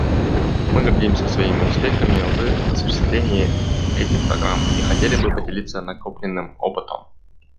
Мы гордимся своими успехами в осуществлении этих программ и хотели бы поделиться накопленным опытом.